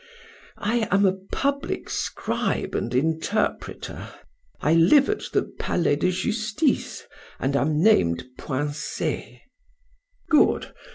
"I am a public scribe and interpreter; I live at the Palais de Justice, and am named Poincet." "Good!...